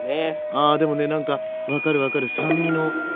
ああでもね何か分かる分かる。